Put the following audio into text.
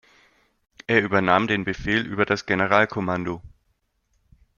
Er übernahm den Befehl über das Generalkommando.